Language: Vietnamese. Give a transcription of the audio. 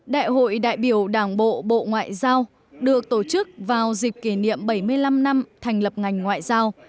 đại hội đại biểu đảng bộ bộ ngoại giao được tổ chức vào dịp kỷ niệm bảy mươi năm năm thành lập ngành ngoại giao